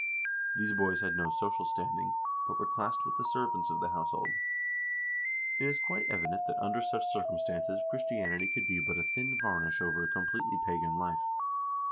These boys had no social standing, but were classed with the servants of the household. It is quite evident that under such circumstances Christianity could be but a thin varnish over a com pletely pagan life.